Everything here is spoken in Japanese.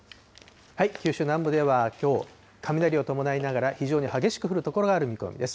九州南部ではきょう、雷を伴いながら非常に激しく降る所がある見込みです。